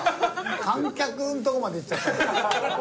観客のとこまで行っちゃった。